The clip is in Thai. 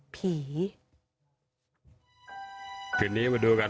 ผี